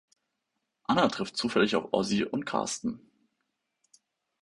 Ana trifft zufällig auf Ozzy und Carsten.